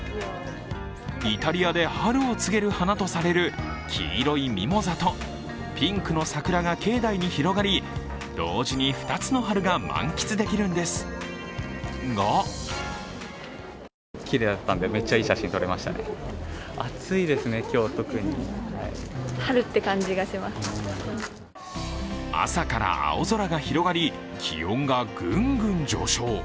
イタリアで春を告げる花とされる黄色いミモザとピンクの桜が境内に広がり、同時に２つの春が満喫できるんですが朝から青空が広がり、気温がグングン上昇。